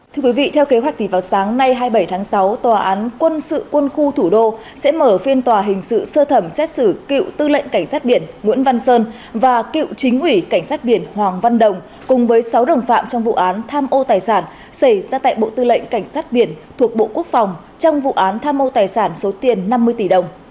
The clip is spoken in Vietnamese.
thưa quý vị theo kế hoạch thì vào sáng nay hai mươi bảy tháng sáu tòa án quân sự quân khu thủ đô sẽ mở phiên tòa hình sự sơ thẩm xét xử cựu tư lệnh cảnh sát biển nguyễn văn sơn và cựu chính ủy cảnh sát biển hoàng văn động cùng với sáu đồng phạm trong vụ án tham ô tài sản xảy ra tại bộ tư lệnh cảnh sát biển thuộc bộ quốc phòng trong vụ án tham ô tài sản số tiền năm mươi tỷ đồng